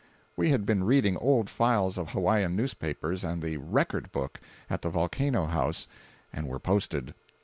We had been reading old files of Hawaiian newspapers and the "Record Book" at the Volcano House, and were posted.